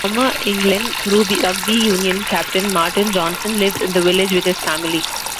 Former England Rugby Union Captain Martin Johnson lives in the village with his family.